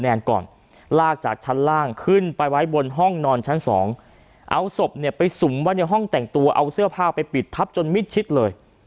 เอาเสื้อผ้าไปปิดทับจนมิดชิดเลย